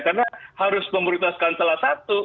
karena harus memerintahkan salah satu